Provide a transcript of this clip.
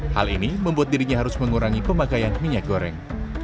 hal ini membuat dirinya harus mengurangi pemakaian minyak goreng